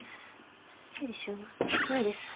整理収納ないです。